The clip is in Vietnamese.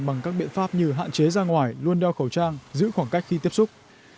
bằng các biện pháp như hạn chế ra ngoài luôn đeo khẩu trang giữ khoảng cách khi tiếp xúc